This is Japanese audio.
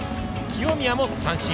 清宮も三振。